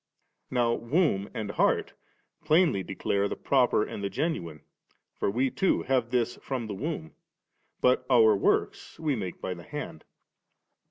Now * womb ' and * heart ' plainly declare the proper and the genuine ; for we too have this from the womb; but our works we make by the hand.